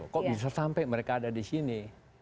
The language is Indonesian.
kok bisa sampai mereka ada di sini